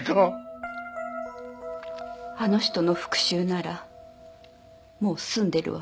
あの人の復讐ならもう済んでるわ。